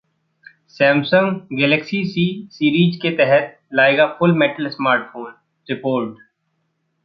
Samsung Galaxy C series के तहत लाएगा फुल मेटल स्मार्टफोन: रिपोर्ट